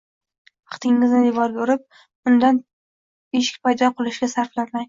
Vaqtingizni devorga urib, undan eshik paydo qilishga sarflamang